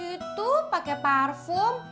itu pake parfum